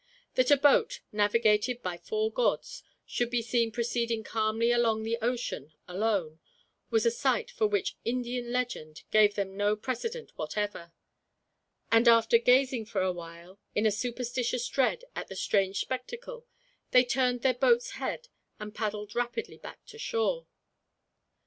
That a boat, navigated by four gods, should be seen proceeding calmly along the ocean, alone, was a sight for which Indian legend gave them no precedent whatever; and after gazing for a while, in superstitious dread at the strange spectacle, they turned their boats' head and paddled rapidly back to shore.